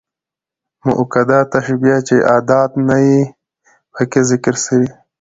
مؤکده تشبيه، چي ادات نه يي پکښي ذکر سوي.